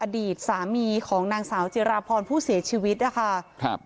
อดีตสามีของนางสาวจิราพรผู้เสียชีวิตนะคะครับ